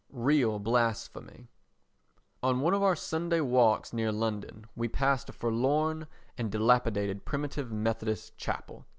Real Blasphemy On one of our Sunday walks near London we passed a forlorn and dilapidated Primitive Methodist Chapel.